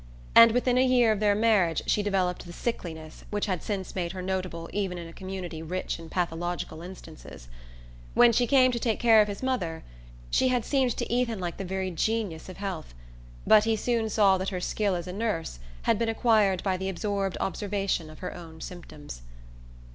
And within a year of their marriage she developed the "sickliness" which had since made her notable even in a community rich in pathological instances. When she came to take care of his mother she had seemed to Ethan like the very genius of health, but he soon saw that her skill as a nurse had been acquired by the absorbed observation of her own symptoms.